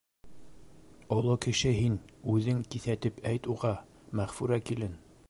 Оло кеше һин үҙең киҫәтеп әйт уға, Мәғфүрә килен.